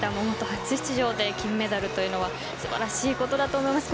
初出場で金メダルというのは素晴らしいことだと思います。